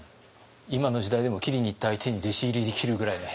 今の時代でも斬りにいった相手に弟子入りできるぐらいの。